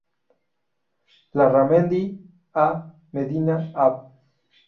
Larramendi, A. Medina, Av.